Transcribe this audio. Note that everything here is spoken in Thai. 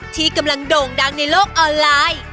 ที่กำลังโด่งดังในโลกออนไลน์